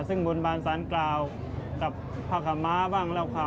คือบางคนก็เอามาถวายเฉย